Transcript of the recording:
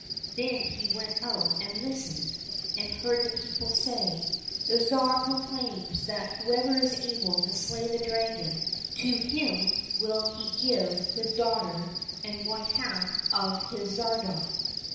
— Then he went out and listened, and heard the people say, " The Tsar proclaims that whoever is able to slay the dragon, to him will he give his daughter and one half of his tsardom